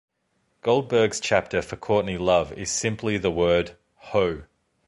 Goldberg's chapter for Courtney Love is simply the word "ho".